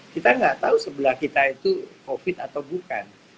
kita nggak tahu sebelah kita itu covid atau bukan